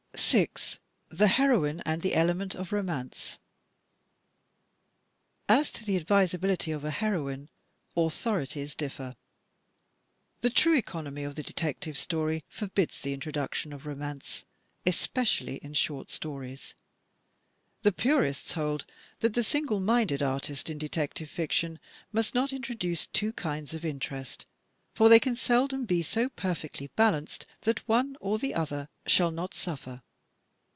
6, The Heroine and the Element of Romance As to the advisability of a heroine, authorities differ. The true economy of the Detective Story forbids the introduction of romance, especially in short stories. The purists hold that the single minded artist in detective fiction must not introduce two kinds of interest, for they can seldom be so perfectly balanced that one or the other shall not suffer.